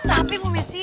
tapi bu messi